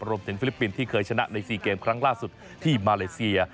ฟิลิปปินส์ที่เคยชนะใน๔เกมครั้งล่าสุดที่มาเลเซีย